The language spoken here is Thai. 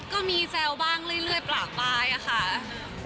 ก็มีแซวบ้างเรื่อยเปล่าปลายอะค่ะ